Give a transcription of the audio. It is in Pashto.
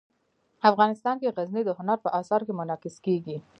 افغانستان کې غزني د هنر په اثار کې منعکس کېږي.